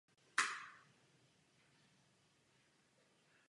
Slíbili jsme něco, co nemáme v úmyslu nikdy splnit.